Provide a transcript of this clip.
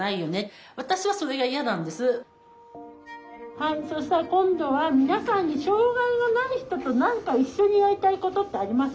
はいそしたら今度は皆さんに障害がない人と何か一緒にやりたいことってあります？